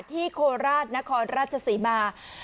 ที่โคลราชนธรรมรรจสี่มา